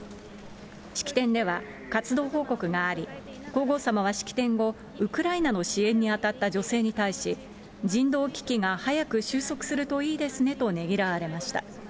式典では活動報告があり、皇后さまは式典後、ウクライナの支援に当たった女性に対し、人道危機が早く収束するといいですねとねぎらわれました。